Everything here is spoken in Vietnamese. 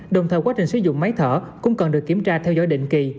đồng thời quá trình sử dụng máy thở cũng cần được kiểm tra theo dõi định kỳ